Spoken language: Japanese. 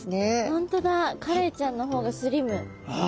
本当だカレイちゃんの方がスリム。